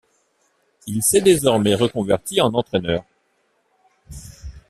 Il s'est désormais reconverti en entraîneur.